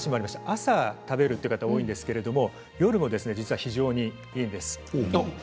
朝、食べる方が多いんですけど夜も実は非常にいいんです。